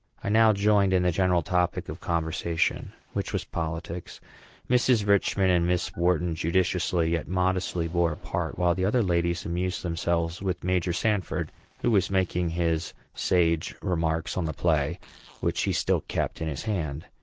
I now joined in the general topic of conversation, which was politics; Mrs. Richman and Miss Wharton judiciously, yet modestly, bore a part; while the other ladies amused themselves with Major Sanford, who was making his sage remarks on the play, which he still kept in his hand.